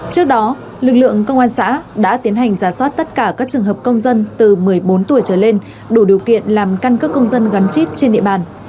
trước đó lực lượng công an xã đã tiến hành giả soát tất cả các trường hợp công dân từ một mươi bốn tuổi trở lên đủ điều kiện làm căn cước công dân gắn chip trên địa bàn